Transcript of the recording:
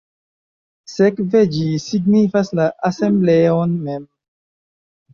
Sekve, ĝi signifas la asembleon mem.